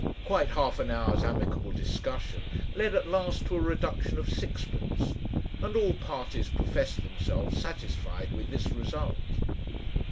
Quite half an hour's amicable discussion led at last to a reduction of sixpence, and all parties professed themselves satisfied with this result.